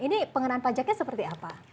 ini pengenaan pajaknya seperti apa